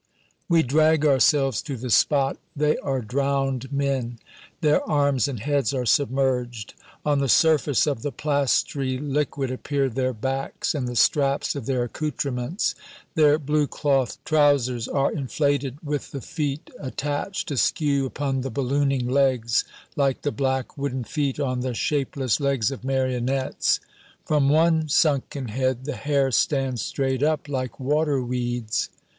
We drag ourselves to the spot. They are drowned men. Their arms and heads are submerged. On the surface of the plastery liquid appear their backs and the straps of their accouterments. Their blue cloth trousers are inflated, with the feet attached askew upon the ballooning legs, like the black wooden feet on the shapeless legs of marionettes. From one sunken head the hair stands straight up like water weeds.